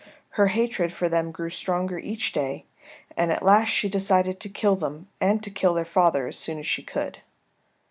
Her hatred for them grew stronger each day, and at last she decided to kill them and to kill their father as soon as she could.